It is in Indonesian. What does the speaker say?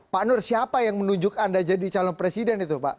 pak nur siapa yang menunjuk anda jadi calon presiden itu pak